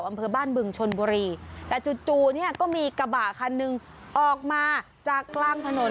อำเภอบ้านบึงชนบุรีแต่จู่จู่เนี่ยก็มีกระบะคันหนึ่งออกมาจากกลางถนน